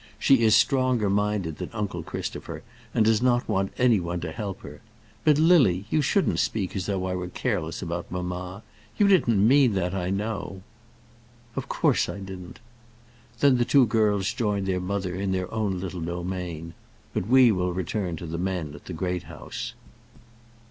She is stronger minded than uncle Christopher, and does not want any one to help her. But, Lily, you shouldn't speak as though I were careless about mamma. You didn't mean that, I know." "Of course I didn't." Then the two girls joined their mother in their own little domain; but we will return to the men at the Great House.